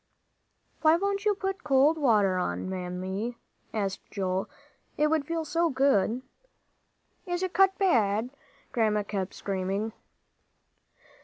"Why don't you put cold water on, Mammy?" asked Joel; "it would feel so good." "Is it cut bad?" Grandma kept screaming.